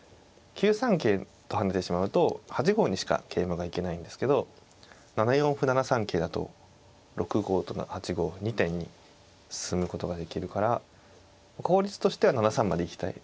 ９三桂と跳ねてしまうと８五にしか桂馬が行けないんですけど７四歩７三桂だと６五と８五２点に進むことができるから効率としては７三まで行きたい。